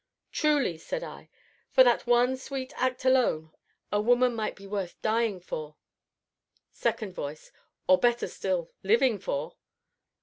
"Truly," said I, "for that one sweet act alone, a woman might be worth dying for!") SECOND VOICE. Or better still living for!